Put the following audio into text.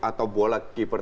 atau bola keeper